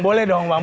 boleh dong bang